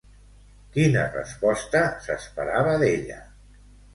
Quina resposta s'esperava d'ella?